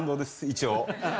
一応。